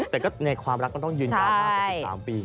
แต่ก็ในความรักต้องยืนยาวได้เกือบ๑๓ปี